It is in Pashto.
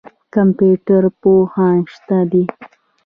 کمپیوټر پوهان شته دي.